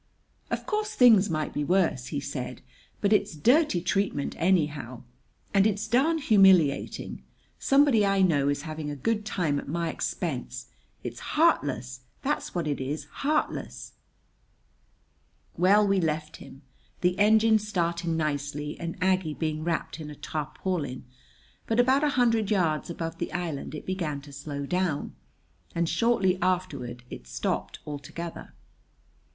"Of course things might be worse," he said; "but it's dirty treatment, anyhow. And it's darned humiliating. Somebody I know is having a good time at my expense. It's heartless! That's what it is heartless!" Well, we left him, the engine starting nicely and Aggie being wrapped in a tarpaulin; but about a hundred yards above the island it began to slow down, and shortly afterward it stopped altogether.